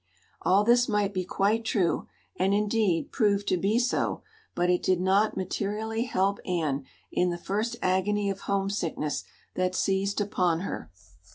All this might be quite true, and indeed, proved to be so, but it did not materially help Anne in the first agony of homesickness that seized upon her.